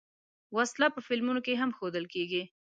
وسله په فلمونو کې هم ښودل کېږي